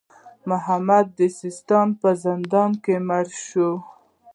محمد د سیستان په زندان کې مړ شو.